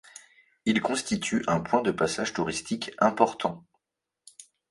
Il constitue un point de passage touristique important.